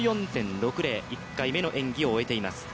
１回目の演技を終えています。